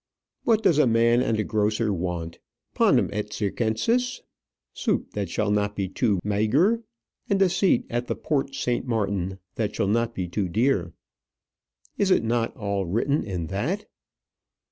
What does a man and a grocer want? Panem et circenses; soup that shall not be too maigre; and a seat at the Porte St. Martin that shall not be too dear. Is it not all written in that?